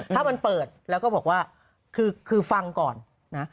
ถ้ามันเปิดแล้วก็บอกว่าคือฟังก่อนนะ